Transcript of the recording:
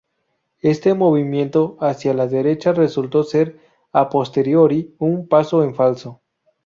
Este movimiento hacia la derecha resultó ser "a posteriori" un paso en falso.